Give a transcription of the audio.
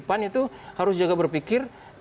pan itu harus juga berpikir